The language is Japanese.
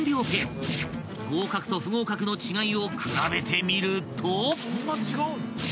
［合格と不合格の違いを比べてみると］